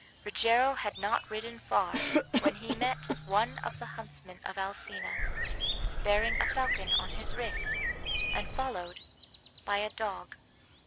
Rogero had not ridden far when he met one of the huntsmen of Alcina, bearing a falcon on his wrist, and followed by a dog.